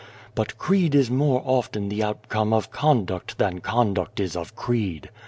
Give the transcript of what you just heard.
4< But creed is more often the outcome of con duct than conduct is of creed.